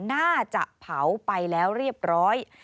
น่าจะเผาไปแล้วเรียบร้อย